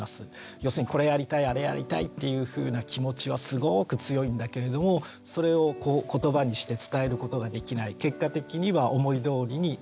要するにこれやりたいあれやりたいっていうふうな気持ちはすごく強いんだけれどもそれを言葉にして伝えることができない結果的には思いどおりにならない。